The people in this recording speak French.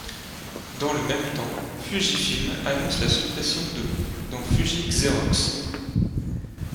Dans le même temps, Fujifilm annonce la suppression de dans Fuji Xerox.